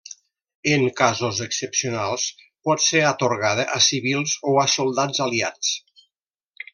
En casos excepcionals, pot ser atorgada a civils o a soldats aliats.